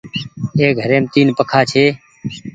اي گهريم تين پنکآ ڇي۔